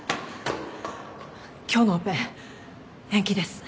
今日のオペ延期です。